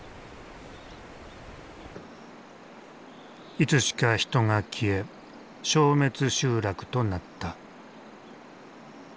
いつしか人が消え消滅集落となった。